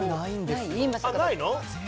ないの？